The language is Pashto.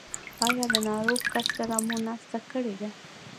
ایا له ناروغ کس سره مو ناسته کړې ده؟